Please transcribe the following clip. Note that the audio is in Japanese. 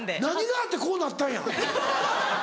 何があってこうなったんや？